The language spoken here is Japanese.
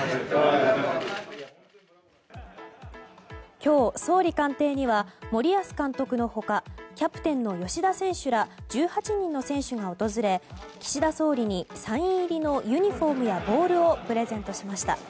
今日、総理官邸には森保監督の他キャプテンの吉田選手ら１８人の選手が訪れ岸田総理に、サイン入りのユニホームやボールをプレゼントしました。